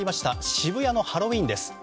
渋谷のハロウィーンです。